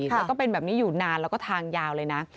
แล้วก็เป็นแบบนี้อยู่นานแล้วก็ทางยาวเลยนะ